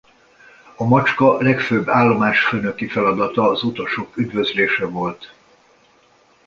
A macska legfőbb állomásfőnöki feladata az utasok üdvözlése volt.